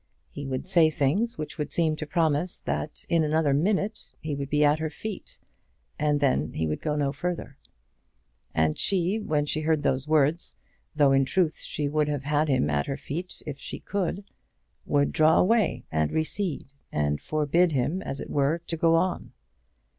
He would say things which would seem to promise that in another minute he would be at her feet, and then he would go no further. And she, when she heard those words, though in truth she would have had him at her feet if she could, would draw away, and recede, and forbid him as it were to go on.